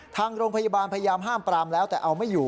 ทางโรงพยาบาลพยายามห้ามปรามแล้วแต่เอาไม่อยู่